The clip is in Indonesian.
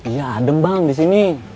iya adem bang disini